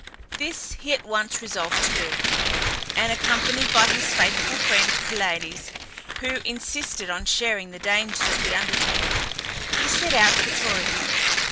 This he at once resolved to do, and accompanied by his faithful friend Pylades, who insisted on sharing the dangers of the undertaking, he set out for Taurica.